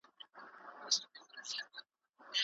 هغه هڅه وکړه چې سترګې یې د خلکو له لیدو پټې شي.